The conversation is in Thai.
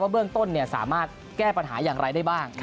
เบื้องต้นสามารถแก้ปัญหาอย่างไรได้บ้าง